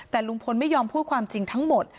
แต่ลุงพลไม่ยอมพูดความจริงทั้งหมด